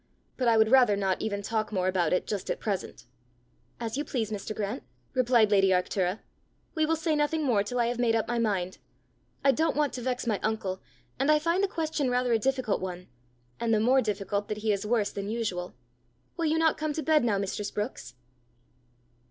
But I would rather not even talk more about it just at present." "As you please, Mr. Grant," replied lady Arctura. "We will say nothing more till I have made up my mind. I don't want to vex my uncle, and I find the question rather a difficult one and the more difficult that he is worse than usual. Will you not come to bed now, mistress Brookes?"